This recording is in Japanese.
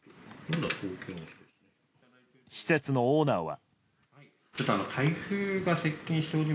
施設のオーナーは。